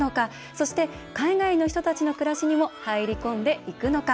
そして、海外の人たちの暮らしにも入り込んでいくのか。